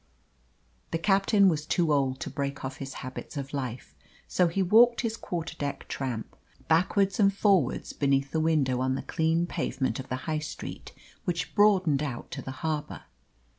The captain was too old to break off his habits of life, so he walked his quarter deck tramp, backwards and forwards beneath the window on the clean pavement of the High Street, which broadened out to the harbour.